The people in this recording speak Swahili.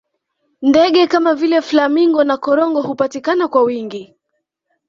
ndege Kama vile flamingo na korongo hupatikana kwa wingi